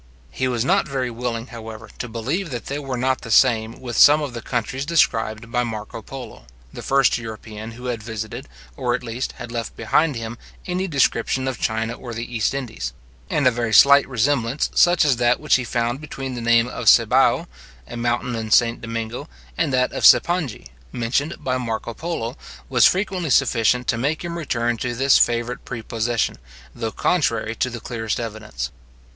He was not very willing, however, to believe that they were not the same with some of the countries described by Marco Polo, the first European who had visited, or at least had left behind him any description of China or the East Indies; and a very slight resemblance, such as that which he found between the name of Cibao, a mountain in St. Domingo, and that of Cipange, mentioned by Marco Polo, was frequently sufficient to make him return to this favourite prepossession, though contrary to the clearest evidence.